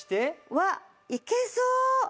うわっいけそう！